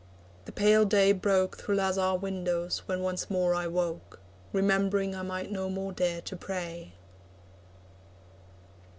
The pale day broke Through lazar windows, when once more I woke, Remembering I might no more dare to pray.